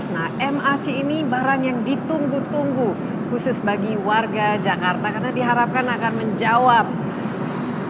nah mrt ini barang yang ditunggu tunggu khusus bagi warga jakarta karena diharapkan akan menjawab masalah kemacetan yang selama ini panjang